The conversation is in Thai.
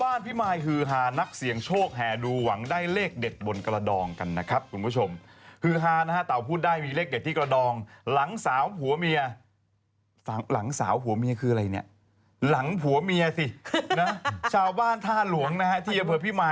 ใครเท่อการไปทอดแผนแล้วก็ได้ยินเสียงคนซุบศิษฐ์หันไปหันมาไม่เจอเต่า